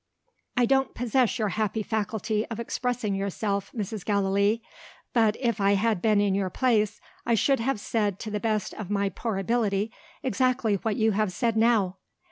"I don't possess your happy faculty of expressing yourself, Mrs. Gallilee. But, if I had been in your place, I should have said to the best of my poor ability exactly what you have said now."